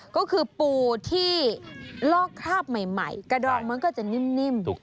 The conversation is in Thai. ก็คือปูที่ลอกคราบใหม่กระดองมันก็จะนิ่ม